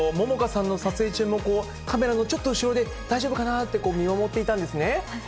杏果さんの撮影中も、カメラのちょっと後ろで、大丈夫かなって見守っていたんですね。